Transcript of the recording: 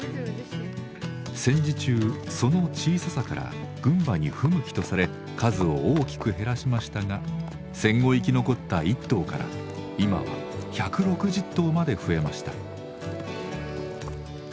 戦時中その小ささから軍馬に不向きとされ数を大きく減らしましたが戦後生き残った１頭から今は１６０頭まで増えました。